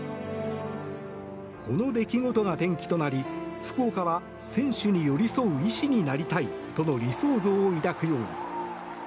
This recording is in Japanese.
この出来事が転機となり福岡は選手に寄り添う医師になりたいとの理想像を抱くように。